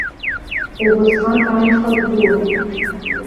Убасҟак амҽхак дуун.